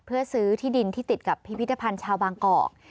เพื่อซื้อที่ดินที่ติดกับพิพิธภัณฑ์ชาวบางกอก